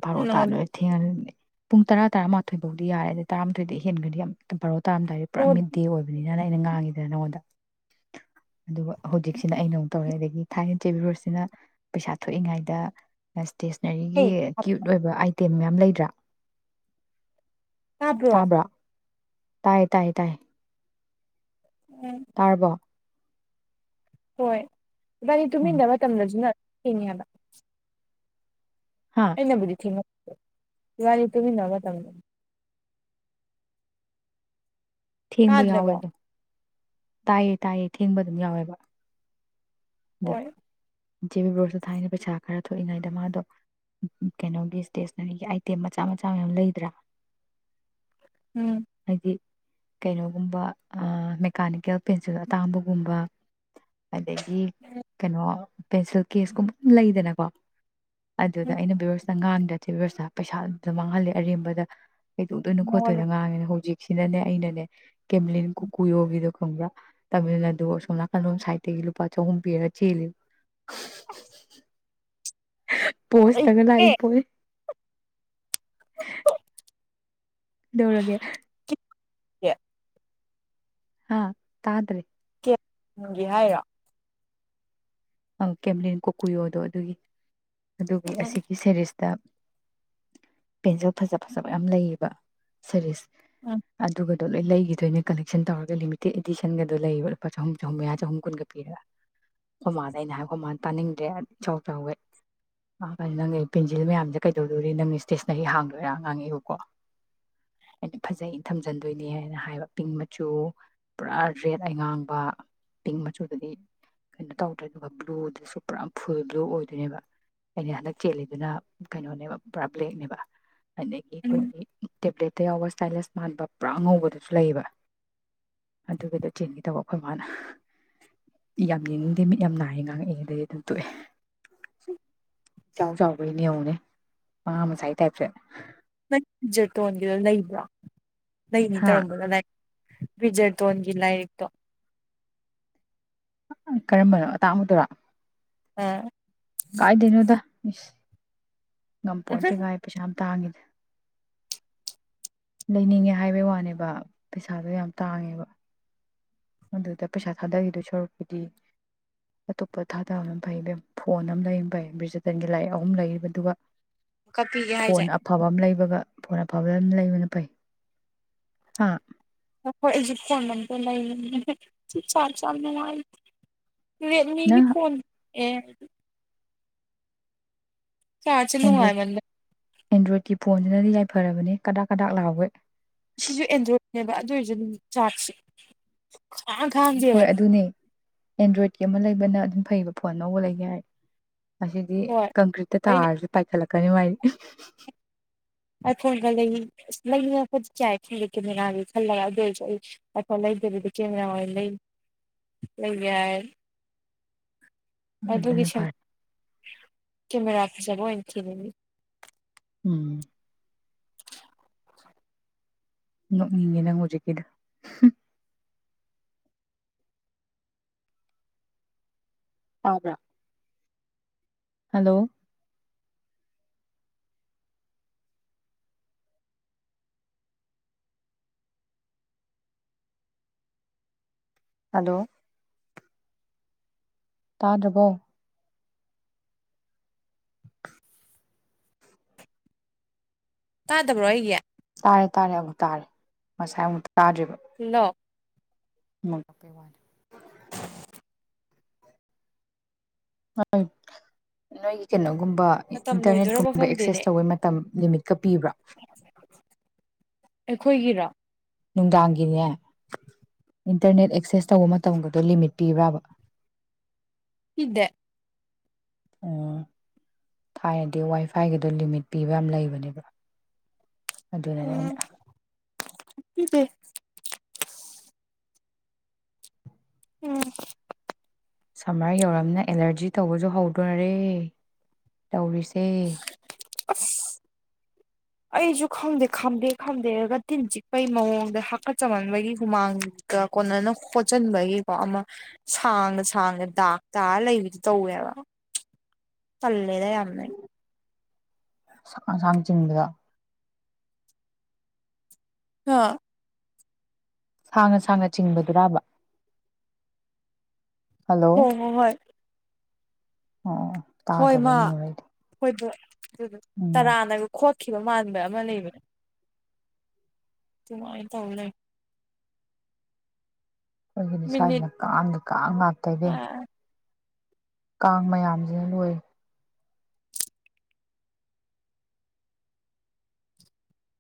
Speaker 1: ꯕꯥꯔꯣ
Speaker 2: ꯅꯪꯉꯣꯟꯗ
Speaker 1: ꯇꯥꯗꯣꯔꯦ ꯊꯦꯡꯉꯥꯅꯤꯅ‌ꯦ ꯄꯨꯡ ꯇꯔꯥ ꯇꯔꯥꯃꯥꯊꯣꯏ ꯐꯥꯎꯗꯤ ꯌꯥꯔꯦ ꯇꯔꯥꯃꯥꯊꯣꯏꯗꯩꯩ ꯍꯦꯟꯒ꯭ꯔꯗꯤ ꯌꯥꯝ ꯕꯔ‌ꯣ ꯇꯥꯔꯝꯗꯥꯏꯗꯤ ꯄꯨꯔꯥ ꯃꯤꯠ ꯑꯗꯨꯅꯤꯅ ꯑꯩꯅ ꯉꯥꯡꯉꯤꯗꯅ ꯅꯪꯉꯣꯟꯗ ꯑꯗꯨꯒ ꯍꯧꯖꯤꯛꯁꯤꯅ ꯑꯩꯅ ꯑꯃꯨꯛ ꯇꯧꯔꯛꯑꯦ ꯑꯗꯒꯤ ꯊꯥꯏꯅ ꯆꯦꯕꯤ ꯔꯣꯁꯅꯤꯅ ꯄꯩꯁꯥ ꯊꯣꯛꯏꯉꯩꯗ ꯑꯁ ꯏꯁꯇꯦꯁꯟꯅꯔꯤꯒꯤ
Speaker 2: ꯍꯩ
Speaker 1: ꯀ꯭ꯌꯨꯠ ꯑꯣꯏꯕ ꯑꯥꯏꯇ‌ꯦꯝ ꯇꯦꯝ ꯃꯌꯥꯝ ꯂꯩꯗ꯭ꯔꯥ
Speaker 2: ꯇꯥꯗ꯭ꯔꯣ
Speaker 1: ꯇꯥꯏ ꯇꯥꯏ ꯇꯥꯏ
Speaker 2: ꯎꯝ
Speaker 1: ꯇꯥꯔꯕꯣ
Speaker 2: ꯍꯣꯏ ꯏꯕꯥꯟꯅꯤ
Speaker 1: ꯎꯝ
Speaker 2: ꯇꯨꯃꯤꯟꯅꯕꯥ ꯇꯝꯗꯕꯁꯤꯅ ꯁꯤꯅꯦꯕꯥ
Speaker 1: ꯍꯥ
Speaker 2: ꯑꯩꯅꯕꯨꯗꯤ ꯊꯤꯡ ꯉꯝ ꯢꯕꯥꯟꯅꯤ ꯇꯨꯃꯤꯟꯅꯕ ꯃꯇꯝ ꯗ
Speaker 1: ꯊꯦꯡꯕ
Speaker 2: ꯇꯥꯗ꯭ꯔꯕꯣ
Speaker 1: ꯌꯥꯎꯋꯦꯗ ꯇꯥꯏꯌꯦ ꯇꯥꯏꯌꯦ ꯊꯦꯡꯕ ꯑꯗꯨꯝ ꯌꯥꯎꯋꯦꯕ
Speaker 2: ꯍꯣꯏ
Speaker 1: ꯖꯦꯕꯤ ꯕ꯭ꯔꯣꯁꯇ ꯊꯥꯏꯅ ꯄꯩꯁꯥ ꯈꯔ ꯊꯣꯛꯏꯉꯩꯗ ꯃꯥꯗꯣ ꯀꯩꯅꯣꯒꯤ ꯏꯁꯇꯦꯁꯟꯅꯔꯤꯒꯤ ꯑꯥꯏꯇꯦꯝ ꯃꯆꯥ ꯃꯆꯥ ꯃꯌꯥꯝ ꯂꯩꯗ꯭ꯔꯥ
Speaker 2: ꯎꯝ
Speaker 1: ꯍꯥꯏꯗꯤ ꯀꯩꯅꯣꯒꯨꯝꯕ ꯃꯦꯀꯥꯅꯤꯀꯦꯜ ꯄꯦꯟꯁꯤꯜ ꯑꯇꯥꯡꯕꯒꯨꯝꯕ ꯑꯗꯒꯤ ꯀꯩꯅꯣ ꯄꯦꯟꯁꯤꯜ ꯀꯦꯁ ꯀꯨꯝꯕ ꯑꯗꯨꯝ ꯂꯩꯗꯅꯀꯣ ꯑꯗꯨꯗ ꯑꯩꯅ ꯕꯤꯔꯣꯖꯇ ꯉꯥꯡ ꯆ‌ꯦꯕꯤꯚ꯭ꯔꯁꯇ ꯄꯩꯁꯥꯇ ꯃꯥꯡꯍꯜꯂꯦ ꯑꯔꯦꯝꯕꯗ ꯀꯩꯗꯣꯛꯇꯣꯏꯅ
Speaker 2: ꯅꯉꯣꯟꯗ
Speaker 1: ꯈꯣꯠꯇꯣꯏꯅ ꯉꯥꯡꯉꯤꯅ ꯍꯧꯖꯤꯛ ꯁꯤꯅꯅꯦ ꯑꯩꯅꯅꯦ ꯀꯦꯝꯂꯤꯟ ꯀꯨꯀꯨꯏꯍꯣꯒꯤꯗꯣ ꯈꯡꯕ꯭ꯔꯥ ꯇꯥꯃꯤꯜ ꯅꯥꯗꯨ ꯑꯁꯣꯝ ꯅꯥꯀꯜꯂꯣꯝ ꯁꯥꯏꯠꯇꯒꯤ ꯂꯨꯄꯥ ꯆꯍꯨꯝ ꯄꯤꯕꯥ ꯆꯦꯜꯂꯤ
Speaker 2: ꯑꯁ
Speaker 1: ꯄꯣꯁ ꯇꯒ ꯂꯥꯛꯏꯄꯣꯠꯅꯤ ꯗꯧꯔꯒ
Speaker 2: [unintelligible]
Speaker 1: ꯍꯥ ꯇꯥꯗ꯭ꯔꯦ
Speaker 2: ꯒꯦ ꯍꯥꯏꯔꯣ
Speaker 1: ꯑꯪ ꯀꯦꯝꯂꯤꯟ ꯀꯣꯀꯨꯌꯣꯗꯣ ꯑꯗꯨꯒꯤ ꯑꯗꯨꯒꯤ
Speaker 2: ꯎꯝ
Speaker 1: ꯑꯁꯤꯒꯤ ꯁꯦꯔꯤꯁꯇ ꯄꯦꯟꯁꯤꯜ ꯐꯖ ꯐꯖꯕ ꯌꯥꯝ ꯂꯩꯌꯦꯕ ꯁꯔꯤꯁ ꯑꯗꯨꯒ ꯑꯗꯣ ꯂꯣꯏ ꯂꯩꯈꯤꯗꯣꯏꯅꯦ ꯀꯂꯦꯛꯁꯟ ꯇꯧꯔꯒ ꯂꯤꯃꯤꯇꯦꯠ ꯏꯗꯤꯁꯟꯒꯗꯣ ꯂꯩꯌꯦ ꯂꯨꯄꯥ ꯆꯍꯨꯝ ꯆꯍꯨꯝ ꯃꯌꯥ ꯆꯍꯨꯝ ꯀꯨꯟꯒ ꯄꯤꯔꯒ ꯑꯗ ꯑꯩꯅ ꯍꯥꯏꯈꯣ ꯃꯥꯅ ꯇꯥꯅꯤꯡꯗ꯭ꯔꯦ ꯏꯆꯥꯎ ꯆꯥꯎꯋꯦ ꯅꯪꯒꯤ ꯄꯦꯟꯖꯤꯜ ꯃꯌꯥꯝꯁꯦ ꯀꯩꯗꯧꯗꯣꯔꯤ ꯅꯪ ꯏꯁꯇꯦꯁꯅꯔꯤ ꯍꯥꯡꯗꯣꯏꯔꯥ ꯉꯥꯡꯉꯤꯕꯀꯣ ꯑꯩꯅ ꯐꯖꯩꯩꯅ ꯊꯝꯖꯟꯗꯣꯏꯅꯦ ꯍꯥꯏꯅ ꯍꯥꯏꯕ ꯄꯤꯡ ꯃꯆꯨ ꯄꯨꯔꯥ ꯔꯦꯗ ꯑꯩ ꯉꯥꯡꯕ ꯄꯤꯡ ꯃꯆꯨꯗꯗꯤ ꯀꯩꯅꯣ ꯇꯧ ꯑꯗꯨꯗꯨꯒ ꯕ꯭ꯂꯨꯗꯨꯁꯨ ꯄꯨꯔꯥ ꯐꯨꯜ ꯕ꯭ꯂꯨ ꯑꯣꯏꯗꯣꯏꯅꯦꯕ ꯑꯩꯅ ꯍꯟꯗꯛ ꯆꯦꯜꯂꯤꯗꯨꯅ ꯀꯩꯅꯣꯅꯦꯕ ꯄꯨꯔꯥ ꯕ꯭ꯂꯦꯛꯅꯦꯕ ꯑꯗꯒꯤ
Speaker 2: ꯎꯝ
Speaker 1: ꯑꯩꯈꯣꯏꯒꯤ ꯇꯦꯕ꯭ꯂꯦꯠ ꯑꯇ ꯌꯥꯎꯕ ꯏꯁ꯭ꯇꯥꯏꯂꯤꯁ ꯃꯥꯟꯕ ꯄꯨꯔꯥ ꯑꯉꯧꯕꯗꯨꯁꯨ ꯂꯩꯌꯦꯕ ꯑꯗꯨꯒꯤꯗꯣ ꯆꯦꯟꯒꯦꯗꯧꯕ ꯑꯩꯈꯣꯏ ꯃꯥꯅ ꯌꯥꯝ ꯌꯦꯅꯤꯡ ꯗꯦ ꯃꯤꯠ ꯌꯥꯝ ꯅꯥꯏꯌꯦ ꯉꯥꯡꯉꯛꯏꯦ ꯑꯗꯩ ꯑꯗꯨꯝ ꯇꯣꯛꯑꯦ ꯏꯆꯥꯎꯒꯩꯅꯤ ꯌꯦꯡꯎꯅꯦ ꯑꯉꯥꯡ ꯃꯆꯥꯏ ꯇꯥꯏꯞꯇ
Speaker 2: ꯅꯪ ꯖꯦꯇꯣꯟꯒꯤꯗꯣ ꯂꯩꯕ꯭ꯔꯥ ꯂꯩꯅꯤ
Speaker 1: ꯍꯥ
Speaker 2: ꯇꯧꯔꯝꯕꯗꯣ ꯂꯩ ꯕꯤꯖꯔꯇꯣꯟꯒꯤ ꯂꯥꯏꯔꯤꯛꯇꯣ
Speaker 1: ꯀꯔꯝꯕꯅꯣ ꯑꯇꯥꯡꯕꯗꯨꯔꯣ
Speaker 2: ꯑꯥ
Speaker 1: ꯀꯥꯏꯗꯩꯩꯅꯣꯗ ꯏꯁ ꯉꯝꯄꯣꯟꯇꯦ ꯀꯥꯏꯗꯩꯩ ꯄꯩꯁꯥ ꯌꯥꯝ ꯇꯥꯡꯏ ꯂꯩꯅꯤꯡꯉꯦ ꯍꯥꯏꯕꯩ ꯋꯥꯅꯦꯕ ꯄꯩꯁꯥꯗꯣ ꯌꯥꯝ ꯇꯥꯡꯉꯦꯕ ꯑꯗꯨꯗ ꯄꯩꯁꯥ ꯊꯥꯗꯈꯤꯗꯣꯏ ꯁꯔꯨꯛꯄꯨꯗꯤ ꯑꯇꯣꯞꯄ ꯊꯥꯗꯕ ꯑꯃ ꯐꯩ ꯏꯕꯦꯝꯃ ꯐꯣꯟ ꯑꯃ ꯂꯩ ꯐꯩ ꯕꯤ꯭ꯔꯖꯇꯟꯒꯤ ꯂꯥꯏꯔꯤꯛ ꯑꯍꯨꯝ ꯂꯩꯒꯤꯕ ꯑꯗꯨꯒ
Speaker 2: ꯀꯛꯄꯤꯒꯦ
Speaker 1: ꯐꯣꯟ
Speaker 2: ꯍꯥꯏꯁꯦ
Speaker 1: ꯑꯐꯕ ꯑꯃ ꯂꯩ ꯑꯗꯨꯒ ꯐꯣꯟ ꯑꯐꯕ ꯂꯩꯕꯅ ꯐꯩ ꯍꯥ
Speaker 2: ꯍꯣꯏ ꯑꯩꯖꯤ ꯐꯣꯟ ꯑꯃꯇ [unintelligible] ꯔꯦꯠꯃꯤꯒꯤ
Speaker 1: ꯅꯪ
Speaker 2: ꯐꯣꯟ ꯑꯦ ꯆꯥꯠꯁꯦ
Speaker 1: ꯑꯦꯟꯗ꯭ꯔꯣꯏꯗ
Speaker 2: ꯅꯨꯡꯉꯥꯏꯃꯟꯗ
Speaker 1: ꯑꯦꯟꯗ꯭ꯔꯣꯏꯗꯀꯤ ꯐꯣꯟꯁꯤꯅꯗꯤ ꯌꯥꯏꯐꯔꯕꯅꯦ ꯀꯗꯥꯛ ꯀꯗꯥꯛ ꯂꯥꯎꯒꯩ
Speaker 2: ꯁꯤꯁꯨ ꯑꯦꯟꯗ꯭ꯔꯣꯏꯗꯅꯦꯕ ꯑꯗꯨ ꯑꯣꯏꯔꯁꯨ ꯑꯗꯨꯝ ꯆꯥꯔꯠꯁꯦ
Speaker 1: ꯍꯣꯏ
Speaker 2: [unintelligible]
Speaker 1: ꯑꯗꯨꯅꯦ ꯑꯦꯟꯗ꯭ꯔꯣꯏꯗꯀꯤ ꯑꯃ ꯂꯩꯕꯅ ꯑꯗꯨꯝ ꯐꯩꯕ ꯐꯣꯟ ꯑꯅꯧꯕ ꯂꯩꯒꯦ ꯍꯥꯏ ꯑꯁꯤꯗꯤ
Speaker 2: ꯍꯣꯏ
Speaker 1: ꯀꯪꯀ꯭ꯔꯤꯠꯇ
Speaker 2: ꯑꯩꯅ
Speaker 1: ꯇꯥꯔꯁꯨ ꯄꯥꯏꯈꯠꯂꯛ ꯀꯩꯅ‌ꯣꯝ ꯃꯥꯏ
Speaker 2: ꯑꯥꯏꯐꯣꯟꯒ ꯂꯩꯅꯤꯡ ꯂꯩꯅꯤꯡꯉꯛꯄꯗꯤ ꯌꯥꯢ ꯀꯤꯂꯤ ꯀꯦꯃꯦꯔꯥꯒꯤ [inaudible] ꯈꯜꯂꯒ ꯑꯗꯨ ꯑꯣꯏꯔꯁꯨ ꯑꯩ ꯑꯥꯏꯐꯣꯟ ꯂꯩꯗꯕꯗ ꯀꯦꯃꯦꯔꯥ ꯂꯩ ꯂꯩ ꯌꯥꯏ ꯑꯗꯨꯒꯤ
Speaker 1: ꯑꯗꯨꯅ
Speaker 2: ꯁꯦꯝ
Speaker 1: ꯐꯔꯦ
Speaker 2: ꯀꯦꯃꯦꯔꯥ ꯐꯖꯕ ꯑꯣꯏꯅ ꯊꯤꯕꯒꯤ
Speaker 1: ꯎꯝ ꯅꯣꯛꯅꯤꯪꯉꯦ ꯅꯡ ꯍꯧꯖꯤꯛ ꯀꯤꯗꯨ ꯇꯕꯔꯥ ꯍꯜꯂꯣ ꯍꯂꯣ ꯇꯥꯗ꯭ꯔꯕꯣ
Speaker 2: ꯇꯥꯗꯕ꯭ꯔꯣ ꯑꯩꯒꯤ
Speaker 1: ꯇꯥꯔꯦ ꯇꯥꯔꯦ ꯑꯃꯨꯛ ꯇꯥꯔꯦ ꯉꯁꯥꯏ ꯑꯃꯨꯛ ꯇꯥꯗ꯭ꯔꯤꯕ
Speaker 2: ꯅꯣ
Speaker 1: ꯃꯄ ꯀꯩ ꯋꯥꯅꯣ ꯅꯣꯏꯒꯤ ꯀꯩꯅꯣ ꯒꯨꯝꯕ
Speaker 2: ꯃꯇꯝ
Speaker 1: ꯏꯟꯇꯔꯅꯦꯠ
Speaker 2: ꯂꯣꯏꯗꯣꯔꯕ
Speaker 1: ꯀꯨꯝꯕ
Speaker 2: ꯈꯪꯗꯦꯅꯦ
Speaker 1: ꯑꯦꯛꯁꯦꯁ ꯇꯧꯕꯩ ꯃꯇꯝ ꯂꯤꯃꯤꯠꯀ ꯄꯤꯕ꯭ꯔꯥ
Speaker 2: ꯑꯩꯈꯣꯏꯒꯤꯔꯥ
Speaker 1: ꯅꯨꯡꯗꯥꯡꯒꯤꯅꯦ ꯏꯟꯇꯔꯅꯦꯠ ꯑꯦꯛꯁꯦꯁ ꯇꯧꯕ ꯃꯇꯝꯒꯗꯣ ꯂꯤꯃꯤꯠ ꯄꯤꯕ꯭ꯔꯥꯕ
Speaker 2: ꯄꯤꯗꯦ
Speaker 1: ꯑꯣ ꯊꯥꯏꯅꯗꯤ ꯋꯥꯏ ꯐꯥꯏꯒꯤꯗꯣ ꯂꯤꯃꯤꯠ ꯄꯤꯕ ꯌꯥꯝ ꯂꯩꯕꯅꯦꯕ ꯑꯗꯨꯅꯅ
Speaker 2: ꯎꯝ
Speaker 1: ꯑꯩꯅ
Speaker 2: ꯄꯤꯗꯦ [inaudible] ꯎꯝ
Speaker 1: ꯁꯝꯃꯔ ꯌꯧꯔꯝꯅ ꯑꯦꯂꯔꯖꯤ ꯇꯧꯕꯁꯨ ꯍꯧꯗꯣꯔꯦ ꯇꯧꯔꯤꯁꯦ
Speaker 2: ꯑꯩꯁꯨ ꯈꯪꯗꯦ ꯈꯥꯝꯗꯦꯛ ꯈꯥꯝꯗꯦꯛꯑꯒ ꯇꯤꯟ ꯆꯤꯛꯄꯒꯤ ꯃꯑꯣꯡꯗ ꯍꯥꯀꯠ ꯆꯝꯍꯟꯕꯒꯤ ꯍꯨꯃꯥꯡꯒ ꯀꯣꯟꯅꯅ ꯍꯣꯠꯆꯟꯕꯒꯤꯀꯣ ꯑꯃ ꯁꯥꯡꯅ ꯁꯥꯡꯅ ꯗꯥꯛ ꯇꯥꯔ ꯂꯩꯕꯗꯨ ꯇꯧꯋꯦꯕ ꯇꯜꯂꯦꯗ ꯌꯥꯝꯅ ꯑ‌ꯩ
Speaker 1: ꯁꯥꯡ ꯁꯥꯡ ꯆꯤꯡꯕꯗ‌ꯣ
Speaker 2: ꯍꯥ
Speaker 1: ꯁꯥꯡꯅ ꯁꯥꯡꯅ ꯆꯤꯡꯕꯗꯨꯔꯕ ꯍꯜꯂꯣ
Speaker 2: ꯍ‌ꯣꯏ ꯍꯣꯏ ꯍ‌ꯣꯏ
Speaker 1: ꯑꯣ ꯇꯥꯗꯥꯕꯩ ꯅꯤꯡꯉꯨꯔ‌ꯦ ꯑꯩꯗꯤ
Speaker 2: ꯑꯩꯈꯣꯏꯗ ꯑꯗꯨ
Speaker 1: ꯎꯝ
Speaker 2: ꯇꯔꯥꯅꯒ ꯈꯣꯠ ꯈꯤꯕ ꯃꯥꯟꯕ ꯑꯃ ꯂꯩꯕꯅꯦ ꯑꯗꯨꯃꯥꯏꯅ ꯇꯧꯔ ꯂꯩ
Speaker 1: ꯑꯩꯈꯣꯏꯒꯤꯅꯤ
Speaker 2: ꯃꯤꯅꯤꯠ
Speaker 1: ꯁꯥꯏꯖꯤꯅꯥ ꯀꯥꯡꯗꯤ ꯀꯥꯡ ꯉꯥꯛꯇ ꯏꯕ‌ꯦꯝ ꯀꯥꯡ ꯃꯌꯥꯝꯖꯤꯅ ꯂꯣꯏꯔ‌ꯦ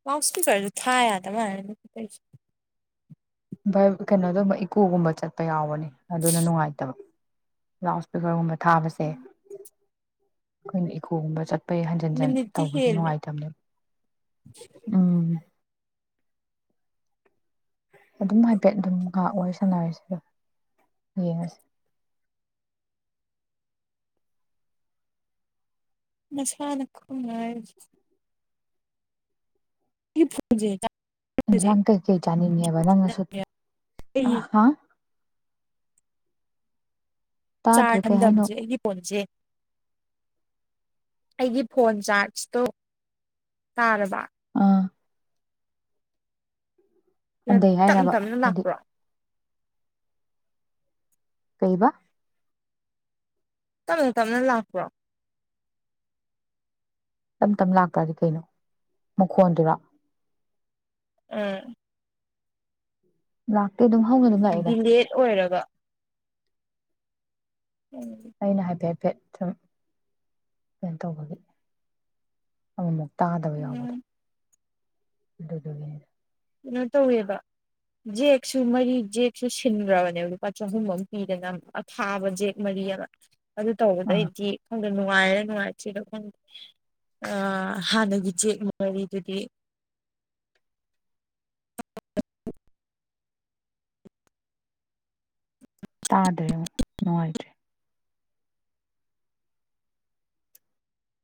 Speaker 2: ꯂꯥꯎꯗ ꯏꯁꯄꯤꯛꯀ꯭ꯔꯖꯨ ꯊꯥ ꯌꯥꯗ ꯃꯥꯜꯂꯦꯅ ꯇꯧꯔꯤꯖꯦ
Speaker 1: ꯚ ꯀꯩꯅꯣꯒꯨꯝꯕ ꯏꯀꯣꯒꯨꯝꯕ ꯆꯠꯄ ꯌꯥꯎꯕꯅꯦ ꯑꯗꯨꯅ ꯅꯨꯡꯉꯥꯏꯇꯕ ꯥ ꯂꯥꯎꯗ ꯏꯁꯄꯤꯀꯔꯒꯨꯝꯕ ꯊꯥꯕꯁꯦ ꯑꯩꯈꯣꯏꯅ ꯏꯀꫭꯒꯨꯝꯕ ꯆꯠ ꯄꯩ ꯍꯟꯖꯟ ꯍꯟꯖꯟ
Speaker 2: ꯃꯤꯅꯤꯠꯇꯤ
Speaker 1: ꯇꯧꯕꯗꯨ
Speaker 2: ꯍꯦꯜꯂꯦ
Speaker 1: ꯅꯨꯡꯉꯥꯏꯇꯝꯅꯦꯕ ꯎꯝ ꯑꯗꯨꯝ ꯍꯥꯏꯐꯦꯠ ꯑꯗꯨꯝ ꯉꯥꯏꯍꯥꯛ ꯋꯥꯔꯤ ꯁꯥꯟꯅꯔꯁꯤꯗ ꯌꯦꯡꯉꯥꯁꯤ
Speaker 2: ꯃꯁꯥꯅꯥ ꯈꯨꯃꯥꯏ ꯌꯨ ꯐ‌ꯣꯟꯁꯦ ꯆꯞ
Speaker 1: ꯏꯟꯖꯥꯡ ꯀꯩꯀꯩ ꯆꯥꯅꯤꯡꯉꯦꯕ ꯅꯪꯅ ꯁꯨꯠ ꯑ
Speaker 2: ꯑꯩꯒꯤ
Speaker 1: ꯍꯥ ꯇꯥꯗ꯭ꯔꯦ
Speaker 2: ꯆꯥꯔ
Speaker 1: ꯀꯩ ꯍꯥꯏꯅꯣ
Speaker 2: ꯍꯟꯊꯝꯕꯁꯦ ꯑꯩꯒꯤ ꯐꯣꯟꯁꯦ ꯑꯩꯒꯤ ꯐꯣꯟ ꯆꯥ꯭ꯔꯖꯇꯣ ꯇꯥꯔꯕ
Speaker 1: ꯑꯥ ꯑꯗꯩ
Speaker 2: ꯇꯞꯅ
Speaker 1: ꯍꯥꯏꯔꯕ
Speaker 2: ꯇꯞꯅ
Speaker 1: ꯍꯥꯏꯗꯤ
Speaker 2: ꯂꯥꯛꯄ꯭ꯔꯣ
Speaker 1: ꯀꯩꯕ
Speaker 2: ꯇꯞꯅ ꯇꯞꯅ ꯂꯥꯛꯄ꯭ꯔꯣ
Speaker 1: ꯇꯞ ꯇꯞꯅ ꯂꯥꯛꯄ꯭ꯔꯥꯗꯤ ꯀꯩꯅꯣ ꯃꯈꯣꯟꯗꯨꯔꯥ
Speaker 2: ꯎꯝ
Speaker 1: ꯂꯥꯛ ꯇ‌ꯦ ꯑꯗꯨꯝ ꯍꯧꯅ ꯑꯗꯨꯝ ꯂꯥꯛꯏꯗ
Speaker 2: ꯗꯤꯂꯦꯠ ꯑꯣꯏꯔꯒ
Speaker 1: ꯑꯩꯅ ꯍꯥꯏꯐꯦꯠ ꯐꯦꯠ ꯁꯨꯝ ꯀꯩꯅꯣ ꯇꯧꯕꯒꯤ ꯑꯃꯨꯃꯨꯛ ꯇꯥꯗꯕ ꯌꯥꯎꯕꯗꯣ
Speaker 2: ꯎꯝ
Speaker 1: ꯑꯗꯨꯗꯨꯒꯤꯅꯤꯗ
Speaker 2: ꯀꯩꯅꯣ ꯇꯧꯋꯦꯕ ꯖꯦꯛꯁꯨ ꯃꯔꯤ ꯖꯦꯛꯁꯨ ꯁꯤꯟꯒ꯭ꯔꯕꯅꯦꯕ ꯂꯨꯄꯥ ꯆꯍꯨꯝ ꯑꯃ ꯄꯤꯗꯅ ꯑꯊꯥꯕ ꯖꯦꯛ ꯃꯔꯤ ꯑꯃ ꯑꯗꯨ
Speaker 1: ꯑꯥ
Speaker 2: ꯇꯧꯕꯗꯩꯗꯤ ꯅꯨꯡꯉꯥꯏꯔꯤꯔ ꯅꯨꯡꯉꯥꯏꯇ꯭ꯔꯤꯔ ꯈꯪꯗꯦ ꯍꯥꯟꯅꯒꯤ ꯖꯦꯛ ꯃꯔꯤꯗꯨꯗꯤ
Speaker 1: ꯇꯥꯗꯔꯦ ꯑꯃꯨꯛ ꯅꯨꯡꯉꯥꯏꯇꯔꯦ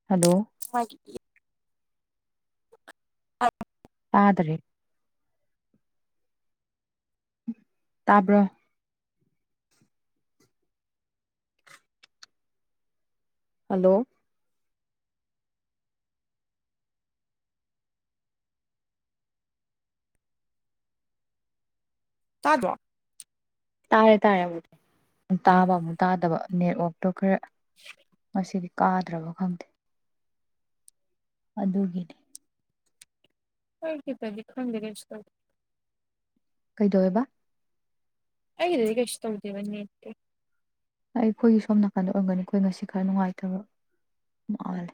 Speaker 1: ꯍꯜꯂꯣ
Speaker 2: ꯃꯥꯒꯤ [unintelligible]
Speaker 1: ꯇꯥꯗ꯭ꯔꯦ ꯇꯥꯕ꯭ꯔꯣ ꯍꯜꯂꯣ
Speaker 2: ꯇꯥꯗꯔꯣ
Speaker 1: ꯇꯥꯔꯦ ꯇꯥꯔꯦ ꯑꯃꯨꯛ ꯑꯃꯨꯛ ꯇꯥꯕ ꯑꯃꯨꯛ ꯇꯥꯗꯕ ꯅꯦꯠꯋꯥꯛꯇꯣ ꯈꯔ ꯉꯁꯤꯗꯤ ꯇꯥꯗ꯭ꯔꯕꯣ ꯈꯪꯗꯦ ꯑꯗꯨꯒꯤꯅꯦ
Speaker 2: ꯍꯥꯏ ꯇꯕꯤ ꯈꯪꯗꯔꯦ ꯀꯩꯁ ꯇꯧꯗꯦ
Speaker 1: ꯀꯩꯗꯧꯋꯦꯕ
Speaker 2: ꯑꯩꯒꯤ ꯗꯗꯤ ꯀꯩꯁꯨ ꯇꯧꯗꯦꯕ ꯅꯦꯠ ꯇꯤ
Speaker 1: ꯑꯩ ꯑꯩꯈꯣꯏꯒꯤ ꯁꯣꯝ ꯅꯥꯀꯟꯗ ꯑꯣꯏꯔꯝꯒꯅꯤ ꯑꯩꯈꯣꯏ ꯉꯁꯤ ꯈꯔ ꯅꯨꯡꯉꯥꯏꯇꯕ ꯃꯥꯂꯦ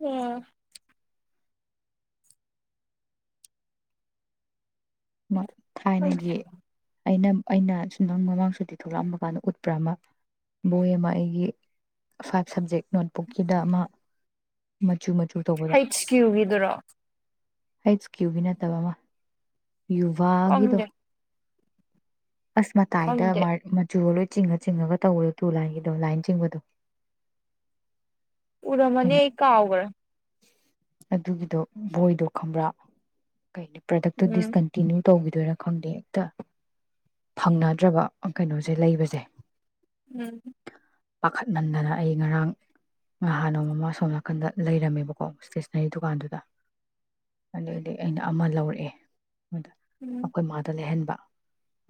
Speaker 2: ꯎꯝ
Speaker 1: ꯑꯃ ꯊꯥꯏꯅꯒꯤ ꯑꯩꯅ ꯑꯩꯅ ꯁ ꯅꯪ ꯃꯃꯥꯡ ꯁꯨꯇꯤ ꯊꯣꯛꯂꯛꯑꯝꯕ ꯀꯥꯟꯗ ꯎꯠꯄ꯭ꯔꯥ ꯑꯃ ꯕꯣꯏ ꯑꯃ ꯑꯩꯒꯤ ꯐꯥꯏꯚ ꯁꯕꯖꯦꯛ ꯅꯣꯠꯕꯨꯛꯀꯤꯗ ꯑꯃ ꯃ
Speaker 2: ꯍꯩꯆ ꯀ꯭ꯌꯨꯒꯤꯗꯨꯔꯣ
Speaker 1: ꯑꯩꯠꯁ ꯀ꯭ꯌꯨꯒꯤ ꯅꯠꯇꯕ ꯑꯃ ꯌꯨꯚꯥꯒꯤꯗꯣ
Speaker 2: ꯈꯪꯗꯦ
Speaker 1: ꯑꯁꯃ ꯇꯥꯏꯗ
Speaker 2: ꯈꯪꯗꯦ
Speaker 1: ꯃ ꯃꯖꯨ ꯂꯣꯏ ꯆꯤꯡꯉ ꯆꯤꯡꯉꯒ ꯇꯧꯕꯗꯣ ꯇꯨ ꯂꯥꯏꯟꯒꯤꯗꯣ ꯂꯥꯏꯟ ꯆꯤꯡꯕꯗꯣ
Speaker 2: ꯎꯔ ꯃꯅꯦ
Speaker 1: ꯑꯩꯅ
Speaker 2: ꯑꯩ ꯀꯥꯎꯒꯔꯦ
Speaker 1: ꯑꯗꯨꯒꯤꯗꯣ ꯕꯣꯏꯗꯣ ꯈꯪꯕ꯭ꯔꯥ ꯀꯩ [unintelligible] ꯄ꯭ꯗꯛꯇꯨ
Speaker 2: ꯎꯝ
Speaker 1: ꯗꯤꯁꯀꯟꯇꯤꯟꯅꯤꯌꯨ ꯇꯧꯈꯤꯗꯣꯏꯅ ꯈꯪꯗꯦ ꯍꯦꯛꯇ ꯐꯪꯅꯗ꯭ꯔꯕ ꯀꯩꯅꯣꯁꯦ ꯂꯩꯕꯁꯦ
Speaker 2: ꯎꯝ
Speaker 1: ꯄꯥꯈꯠꯃꯟꯗꯅ ꯑꯩ ꯉꯔꯥꯡ ꯉꯍꯥꯟ ꯅꯣꯡ ꯑꯃ ꯁꯣꯝ ꯅꯥꯀꯟꯗ ꯂꯩꯔꯝꯃꯦꯕꯀꯣ ꯏꯁꯇꯦꯁꯅꯔꯤ ꯗꯨꯀꯥꯟꯗꯨꯗ ꯑꯗꯨ ꯑꯣꯏꯗꯤ ꯑꯩꯅ ꯑꯃ ꯂꯧꯔꯛꯑꯦ ꯗ
Speaker 2: ꯎꯝ
Speaker 1: ꯑꯩꯈꯣꯏ ꯃꯥꯗ ꯂꯩꯍꯟꯕ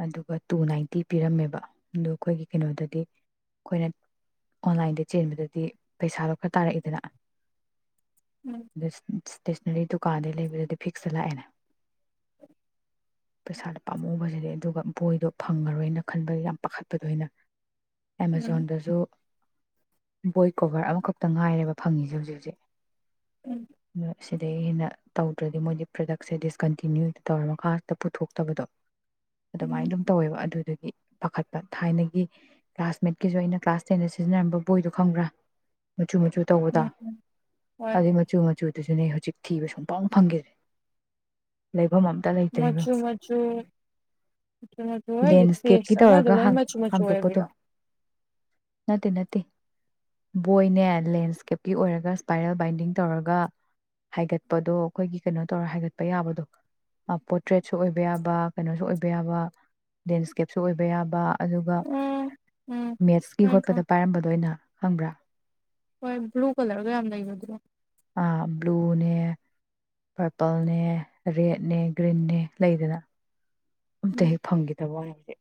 Speaker 1: ꯑꯗꯨꯒ ꯇꯨ ꯅꯥꯏꯟꯇꯤ ꯄꯤꯔꯝꯃꯦꯕ ꯑꯗꯨꯣ ꯑꯩꯈꯣꯏꯒꯤ ꯀꯩꯅꯣꯗꯗꯤ ꯑꯩꯈꯣꯏꯅ ꯑꯣꯟꯂꯥꯏꯟꯗ ꯆꯦꯟꯕꯗꯗꯤ ꯄꯩꯁꯥ ꯈ ꯇꯥꯔꯛꯏꯗꯅ
Speaker 2: ꯎꯝ
Speaker 1: ꯁ [inaudible] ꯁꯇꯦꯁꯅꯔꯤ ꯗꯨꯀꯥꯟꯗꯩ ꯂꯩꯕꯗꯗꯤ ꯐꯤꯛꯁꯇ ꯂꯥꯛꯑꯦꯅꯦ ꯄꯩꯁꯥꯗꯣ ꯄꯥꯝꯃꯨꯕꯁꯤꯗꯤ ꯑꯗꯨꯒ ꯕꯣꯏꯗꯣ ꯐꯪꯉꯔꯣꯏꯅ ꯈꯟꯕ ꯌꯥꯝ ꯄꯥꯈꯠꯄꯗꯣ ꯑꯣꯏꯅ
Speaker 2: ꯎꯝ
Speaker 1: ꯑꯦꯃꯥꯖꯣꯟꯗꯁꯨ ꯕꯣꯏ ꯀꯣꯕꯔ ꯑꯃ ꯈꯛ ꯇ ꯉꯥꯏꯔꯦ ꯐꯪꯉꯤꯁꯦ ꯍꯧꯖꯤꯛ ꯍꯧꯖꯤꯛ
Speaker 2: ꯎꯝ
Speaker 1: [inaudible] ꯁꯤꯗꯩꯩ ꯍꯦꯟꯅ ꯇꯧꯗ꯭ꯔꯗꯤ ꯃꯣꯏꯗꯤ ꯄ꯭ꯔꯗꯛꯁꯦ ꯗꯤꯁꯀꯟꯇꯤꯅ꯭ꯌꯨ ꯇꯧꯔ ꯃꯈꯥ ꯍꯦꯛꯇ ꯄꯨꯊꯣꯛꯇꯕꯗꯣ ꯑꯗꯨꯃꯥꯏꯟ
Speaker 2: ꯎꯝ
Speaker 1: ꯑꯗꯨꯝ ꯇꯧꯋꯦꯕ ꯑꯗꯨꯗꯨ ꯏ ꯄꯥꯈꯠꯄ ꯊꯥꯏꯅꯒꯤ ꯀ꯭ꯂꯥꯁꯃꯦꯠꯀꯤꯖꯨ ꯑꯩꯅ ꯀ꯭ꯂꯥꯁ ꯇꯦꯟꯗ ꯁꯤꯖꯤꯟꯅꯔꯝꯕ ꯕꯣꯏꯗꯣ ꯈꯪꯕ꯭ꯔꯥ ꯃꯆꯨ ꯃꯆꯨ ꯇꯧꯕꯗꯣ
Speaker 2: ꯎꯝ ꯍꯣꯏ
Speaker 1: ꯑꯗꯨ ꯃꯆꯨ ꯃꯆꯨ ꯑꯗꯨꯖꯨꯅꯦ ꯍꯧꯖꯤꯛ ꯊꯤꯕ ꯁꯨꯡꯐꯪ ꯐꯪꯈꯤꯗꯦ ꯂꯩ
Speaker 2: ꯃꯆꯨ ꯃꯆꯨ ꯃꯆꯨ ꯃꯆꯨ ꯍꯥꯏꯖꯦ
Speaker 1: ꯂꯦꯟꯁꯀꯦꯞꯀꯤ
Speaker 2: ꯄꯦꯁ ꯑꯃꯗ
Speaker 1: ꯇꯧꯔꯒ
Speaker 2: ꯂꯣꯏ ꯃꯆꯨ ꯃꯆꯨ
Speaker 1: ꯍꯥꯡꯗꯣꯛꯄꯗꯣ
Speaker 2: ꯑꯣꯏꯕꯤꯔꯣ
Speaker 1: ꯅꯠꯇꯦ ꯅꯠꯇꯦ ꯕꯣꯏꯅꯦ ꯂꯦꯟꯁꯀꯦꯞꯀꯤ ꯑꯣꯏꯔꯒ ꯁꯄꯥꯏꯔꯦꯜ ꯕꯥꯏꯟꯗꯤꯡ ꯇꯧꯔꯒ ꯍꯥꯏꯒꯠꯄꯗꯣ ꯑꯩꯈꯣꯏꯒꯤ ꯀꯩꯅꯣ ꯇꯧꯔ ꯍꯥꯏꯒꯠꯄ ꯌꯥꯕꯗꯣ ꯄꯣꯇ꯭ꯔꯦꯠꯁꯨ ꯑꯣꯏꯕ ꯌꯥꯕ ꯀꯩꯅꯣꯁꯨ ꯑꯣꯏꯕ ꯌꯥꯕ ꯂꯦꯟꯁꯀꯦꯞꯁꯨ ꯑꯣꯏꯕ ꯌꯥꯕ ꯑꯗꯨꯒ
Speaker 2: ꯎꯝ ꯎꯝ
Speaker 1: ꯃꯦꯠꯁꯀꯤ ꯍꯣꯠꯄꯗ ꯄꯥꯏꯔꯝꯕꯗꯣ ꯑꯩꯅ ꯈꯪꯕ꯭ꯔꯥ
Speaker 2: ꯍꯣꯏ ꯕ꯭ꯂꯨ ꯀꯂꯔꯒ ꯌꯥꯝ ꯂꯩꯕꯗꯨꯗꯣ
Speaker 1: ꯕ꯭ꯂꯨꯅꯦ ꯄꯔꯄꯜꯅꯦ ꯔꯦꯗꯅꯦ ꯒ꯭ꯔꯤꯟꯅꯦ ꯂꯩꯗꯅ ꯑꯝꯇ
Speaker 2: ꯎꯝ
Speaker 1: ꯍꯦꯛ ꯐꯪꯈꯤꯗꯕ꯭ꯋꯥꯅꯦ ꯍꯧꯖꯤꯛ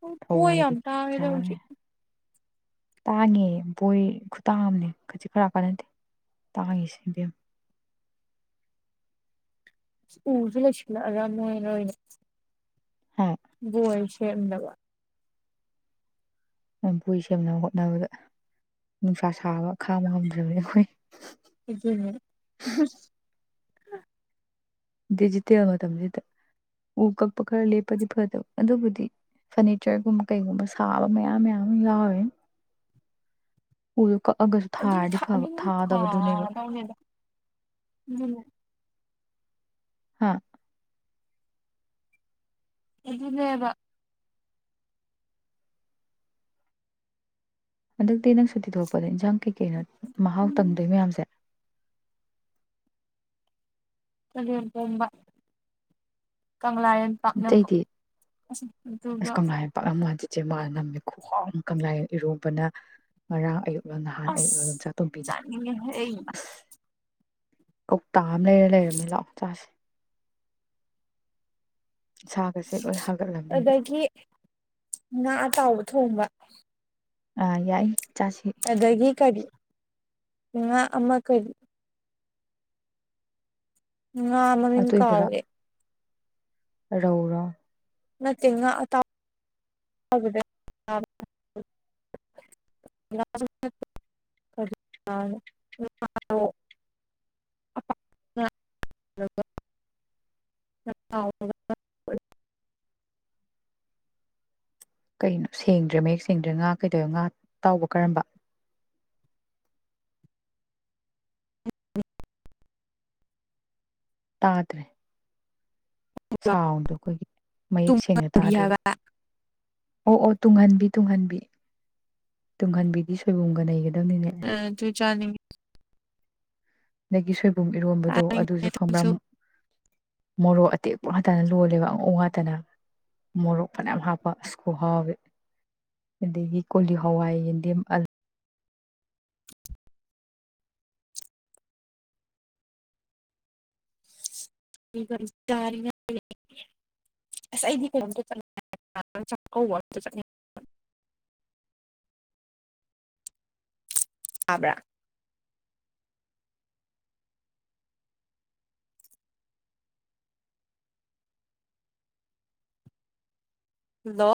Speaker 2: ꯍ ꯄꯨ ꯌꯥꯝ
Speaker 1: ꯊꯋꯥꯏꯗꯤ
Speaker 2: ꯇꯥꯡꯉꯦꯗ
Speaker 1: ꯁꯥꯔꯦ
Speaker 2: ꯍꯨꯖꯤꯛ
Speaker 1: ꯇꯥꯡꯉꯦ ꯕꯣꯏ ꯈꯨꯇꯥꯡꯑꯝꯅꯦ ꯈꯖꯤꯛ ꯈꯔꯀ ꯅꯠꯇꯦ ꯇꯥꯡꯉꯦꯁꯤ ꯏꯕꯦꯝ
Speaker 2: ꯎꯁꯨ ꯂꯣꯏꯁꯤꯜꯂꯛꯑꯒ ꯃꯣꯏꯅ ꯑꯣꯏꯅ ꯕꯣꯏ ꯂꯩꯔꯝꯗꯕ
Speaker 1: ꯅꯪ ꯕꯣꯏ ꯁꯦꯝꯅꯕ ꯍꯣꯠꯅꯕꯗ ꯅꯨꯡꯁꯥ ꯁꯥꯕ ꯈꯥꯡꯕ ꯉꯝꯗ꯭ꯔꯕꯅꯤꯅ ꯑꯩꯈꯣꯏ ꯅ
Speaker 2: ꯑꯗꯨꯅꯦ [inaudible]
Speaker 1: ꯗꯤꯖꯤꯇꯦꯜ ꯃꯇꯝꯖꯤꯗ ꯎ ꯀꯛꯄ ꯈꯔ ꯂꯦꯞꯄꯗꯤ ꯐꯗꯕ ꯑꯗꯨꯕꯨꯗꯤ ꯐꯔꯅꯤꯆꯔꯒꯨꯝꯕ ꯀꯩꯒꯨꯝꯕ ꯁꯥꯕ ꯃꯌꯥꯝ ꯃꯌꯥꯝ ꯑꯃ ꯌꯥꯎꯔꯤꯅꯦ ꯎꯗꯨ
Speaker 2: ꯑꯗꯨ ꯊꯥ ꯑꯗꯨꯝꯗꯤ ꯊꯥꯗꯧꯅꯦꯗ ꯑꯗꯨꯅꯤ
Speaker 1: ꯍꯥꯥ
Speaker 2: ꯑꯗꯨꯅꯦꯕꯥ
Speaker 1: ꯍꯟꯗꯛꯇꯤ ꯅꯪ ꯁꯨꯇꯤ ꯊꯣꯛꯂꯛꯄꯗ ꯏꯟꯖꯥꯡ ꯀꯩ ꯀꯩꯅꯣ ꯃꯍꯥꯎ
Speaker 2: ꯎꯝ
Speaker 1: ꯇꯪꯗꯣꯏ ꯃꯌꯥꯝꯖꯦ
Speaker 2: ꯆꯥꯒꯦꯝ ꯄꯣꯝꯕ ꯀꯪꯂꯥꯌꯦꯟ ꯄꯥꯛꯅꯝ
Speaker 1: ꯑꯇꯩꯗꯤ
Speaker 2: ꯑꯁ ꯑꯗꯨꯒ
Speaker 1: ꯆꯦꯃ ꯅꯝꯃꯦ ꯈꯨꯍꯥꯎ ꯑꯃ ꯀꯪꯂꯥꯌꯦꯟ ꯏꯔꯣꯟꯕꯅ ꯉꯔꯥꯡ ꯑꯌꯨꯛ ꯅꯍꯥꯟ ꯑꯩꯅ ꯑꯗꯨꯝ
Speaker 2: ꯑꯁ
Speaker 1: ꯆꯥꯛ ꯇꯣꯝꯕꯤꯅ
Speaker 2: ꯆꯥꯅꯤꯡꯉꯦꯍꯦ ꯑꯩ
Speaker 1: ꯑꯁ ꯀꯧꯇꯥ ꯑꯃ ꯂꯩꯔ ꯂꯩꯔꯝꯅꯦ ꯂꯥꯛꯑꯣ ꯆꯥꯁꯦ ꯏꯁꯥꯒꯁꯦ ꯂꯣꯏ ꯍꯥꯒꯠꯂꯝꯅꯤ ꯑꯩꯗꯤ
Speaker 2: ꯑꯗꯒꯤ ꯉꯥ ꯑꯇꯥꯎꯕ ꯊꯣꯡꯕ [inaudible]
Speaker 1: ꯑꯥ ꯌꯥꯏ ꯆꯥꯁꯤ
Speaker 2: ꯑꯗꯒꯤ ꯀꯔꯤ ꯉꯥ ꯑꯃ ꯀꯔꯤ ꯉꯥ ꯃꯃꯤꯡ
Speaker 1: ꯑꯇꯣꯏꯕꯔꯣ
Speaker 2: ꯀꯥꯎꯏ
Speaker 1: ꯔꯧꯔꯣ
Speaker 2: ꯅꯠꯇꯦ ꯉꯥ ꯑꯇꯥꯎ [unintelligible]
Speaker 1: ꯀꯩꯅꯣ ꯁꯦꯡꯗ꯭ꯔꯦ ꯃꯌꯦꯛ ꯁꯦꯡꯗ꯭ꯔꯦ ꯉꯥ ꯀꯩꯗꯧꯌꯦ ꯉꯥ ꯇꯥꯎꯕ ꯀꯔꯝꯕ ꯇꯥꯗꯔ꯭ꯦ ꯁꯥꯎꯟꯗꯣ ꯑꯩꯈꯣꯏꯒꯤ ꯃꯌꯦꯛ ꯁꯦꯡꯅ
Speaker 2: ꯇꯨꯡꯍꯟꯕꯤ
Speaker 1: ꯇꯥ꯭ꯗꯔ꯭ꯦꯕ
Speaker 2: ꯍꯥꯏꯕ
Speaker 1: ꯑꯣ ꯑꯣ ꯇꯨꯡꯍꯟꯕꯤ ꯇꯨꯡꯍꯟꯕꯤ ꯇꯨꯡꯍꯟꯕꯤꯗꯤ ꯁꯣꯏꯕꯨꯡꯒ ꯅꯩꯒ
Speaker 2: ꯆꯅꯤꯡ [unintelligible]
Speaker 1: ꯅꯒꯤꯁꯨꯣꯏ [unintelligible] ꯕꯨꯝ ꯏꯔꯣꯝꯕꯗꯣ ꯑꯗꯨꯁꯨ ꯈꯪꯕ꯭ꯔꯥ ꯃꯨ ꯃꯣꯔꯣꯛ ꯑꯇꯦꯛꯄ ꯉꯥꯛꯇꯅ ꯂꯣꯜꯂꯦꯕ ꯑꯉꯧ ꯉꯥꯛꯇꯅ ꯃꯣꯔꯣꯛ ꯐꯅꯌꯥꯝ ꯍꯥꯞꯄ ꯑꯁ ꯈꯨꯍꯥꯎꯗꯤ ꯑꯗꯒꯤ ꯀꯣꯂꯤ ꯍꯋꯥꯏ ꯌꯦꯟꯗꯦꯝ ꯑꯜꯂꯨ
Speaker 2: [unintelligible] ꯑꯩꯗꯤ ꯇꯥꯕ꯭ꯔꯥ ꯂꯣ